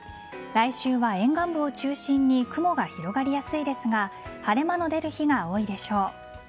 来週は沿岸部を中心に雲が広がりやすいですが晴れ間の出る日が多いでしょう。